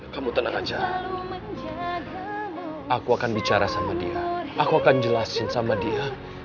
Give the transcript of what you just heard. kamu tenang aja aku akan bicara sama dia aku akan jelasin sama dia